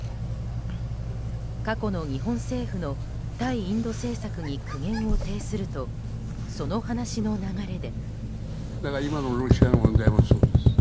過去の日本政府の対インド政策に苦言を呈するとその話の流れで。